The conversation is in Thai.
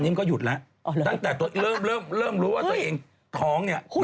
ดังแต่เริ่มรู้ว่าตัวเองท้องเนี่ยเฮ่ย